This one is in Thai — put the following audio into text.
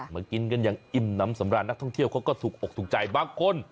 มากินกันอย่างอิ่มน้ำสำราญนักท่องเที่ยวเขาก็ถูกอกถูกใจบางคน